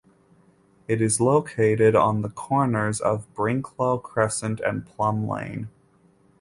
It is located on the corners of Brinklow Crescent and Plum Lane.